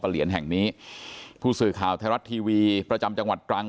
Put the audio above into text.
เหรียญแห่งนี้ผู้สื่อข่าวไทยรัฐทีวีประจำจังหวัดตรัง